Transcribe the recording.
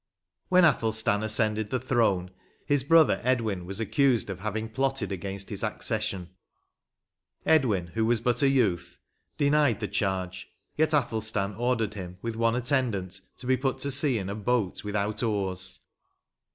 When Athelstan ascended the throne, his brother Edwin was accused of having plotted against his accession : Edwin, who was but a youth, denied the charge, yet Athelstan ordered him, with one at tendant, to be put to sea in a boat, without oars.